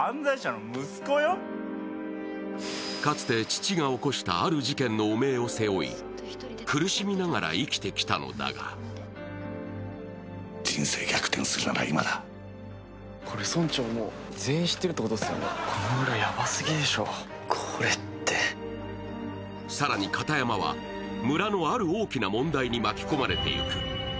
かつて父が起こしたある事件の汚名を背負い、苦しみながら生きてきたのだが更に片山は村のある大きな問題に巻き込まれていく。